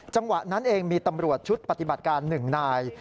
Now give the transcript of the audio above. จังหวะนั้นเองมีตำรวจชุดปฏิบัติการ๑นาย